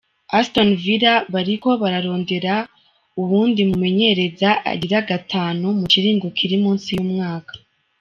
Aston Villa bariko bararondera uwundi mumenyereza agira gatanu mu kiringo kiri musi y’umwaka.